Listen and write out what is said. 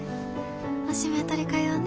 おしめ取り替えようね。